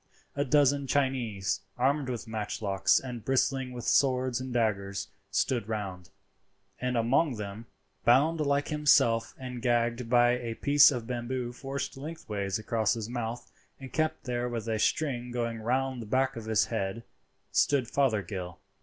A dozen Chinese, armed with matchlocks and bristling with swords and daggers, stood around; and among them, bound like himself and gagged by a piece of bamboo forced lengthways across his mouth and kept there with a string going round the back of the head, stood Fothergill.